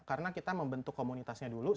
karena kita membentuk komunitasnya dulu